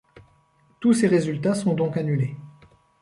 Tous ses résultats sont donc annulés.